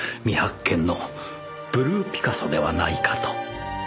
未発見のブルーピカソではないかと。